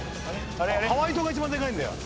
ハワイ島が一番でかいんだよ。